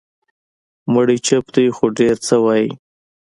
مړی چوپ دی، خو ډېر څه وایي.